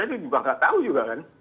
ini juga gak tau juga kan